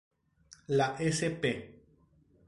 La sp.